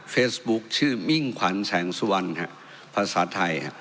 เฟซบุ๊คชื่อมิ่งขวัญแสงสุวรรณภาษาไทย